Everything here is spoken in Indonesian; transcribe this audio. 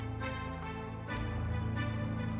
apa yang mau lakukan yuk